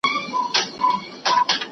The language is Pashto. ¬ د يوه سپاره به څه دوړه وي.